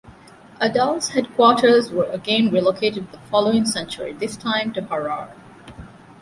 Adal's headquarters were again relocated the following century, this time to Harar.